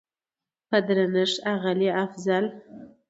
په درنښت اغلې افضل